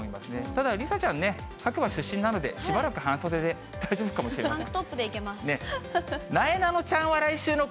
ただ、梨紗ちゃんね、白馬出身なので、しばらく半袖で大丈夫かもしれません。